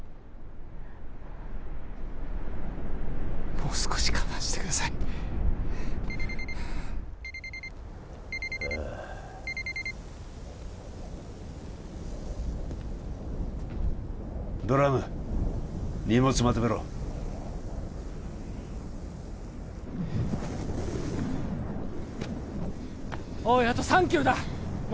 もう少し我慢してくださいドラム荷物まとめろおいあと３キロだお前